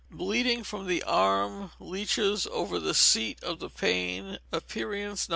Bleeding from the arm, leeches over the seat of pain, aperients No.